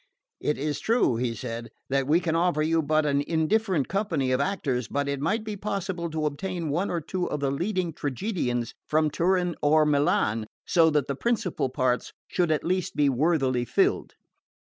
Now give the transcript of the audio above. "It is true," he said, "that we can offer you but an indifferent company of actors; but it might be possible to obtain one or two of the leading tragedians from Turin or Milan, so that the principal parts should at least be worthily filled."